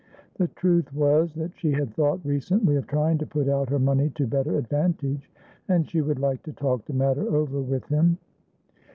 The truth was, that she had thought recently of trying to put out her money to better advantage, and she would like to talk the matter over with him.